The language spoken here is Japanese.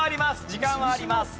時間はあります。